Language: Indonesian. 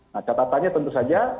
nah catatannya tentu saja